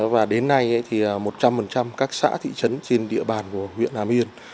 và đến nay thì một trăm linh các xã thị trấn trên địa bàn của huyện hà miên